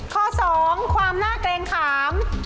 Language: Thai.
ข้อ๒ความน่าเกรงขาม